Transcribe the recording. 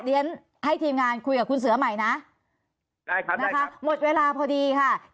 เดี๋ยวเวลารายการที่ฉันหมด